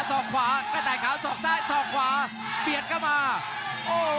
ศอกขวาแม่แตกขาวสอกซ้ายสอกขวาเบียดเข้ามาโอ้โห